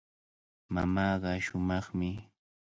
Mamaaqa shumaqmi.